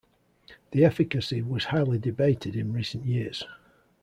The efficacy was highly debated in recent years.